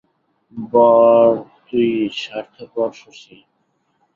বড় তুই স্বার্থপর শশী।